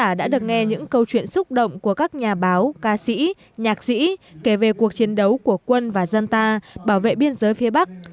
các vở đã được nghe những câu chuyện xúc động của các nhà báo ca sĩ nhạc sĩ kể về cuộc chiến đấu của quân và dân ta bảo vệ biên giới phía bắc